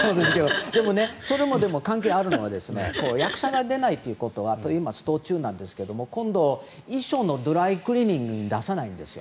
でもそれも関係あるのは役者が出ないということは今、スト中なんですが今度、衣装をドライクリーニングに出さないんですよ。